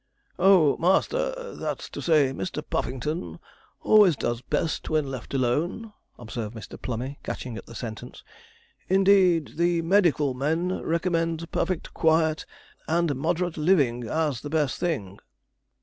'Oh, master that's to say, Mr. Puffington always does best when left alone,' observed Mr. Plummey, catching at the sentence: 'indeed the medical men recommend perfect quiet and moderate living as the best thing.'